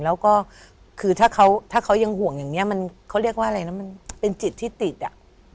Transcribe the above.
แล้วก็คือถ้าเขาถ้าเขายังห่วงอย่างนี้มันเขาเรียกว่าอะไรนะมันเป็นจิตที่ติดอ่ะ